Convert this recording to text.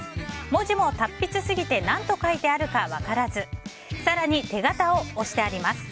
文字も達筆すぎて何と書いてあるか分からず更に、手形を押してあります。